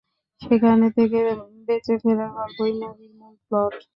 সেখান থেকে বেঁচে ফেরার গল্পই মুভির মূল প্লট।